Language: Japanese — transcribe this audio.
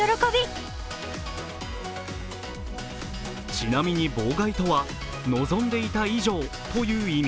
ちなみに望外とは望んでいた以上という意味。